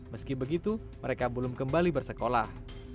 meski begitu mereka belum kembali bersekolah